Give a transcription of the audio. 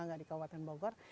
nggak di kabupaten bogor